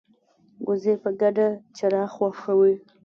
وزې په ګډه چرا خوښوي